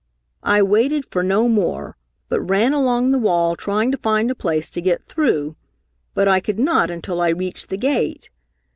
I waited for no more, but ran along the wall trying to find a place to get through, but I could not until I reached the gate.